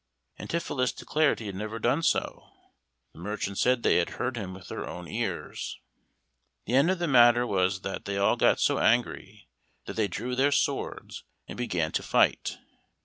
Antipholus declared he had never done so. The merchant said they had heard him with their own ears. The end of the matter was that they all got so angry that they drew their swords and began to fight.